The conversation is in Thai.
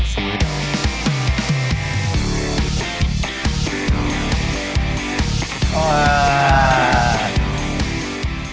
ตอนนี้เราใช้เบอร์๐๐๐